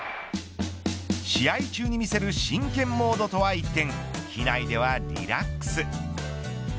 試合中に見せる真剣モードとは一転機内ではリラックス。